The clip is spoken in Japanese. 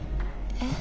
えっ？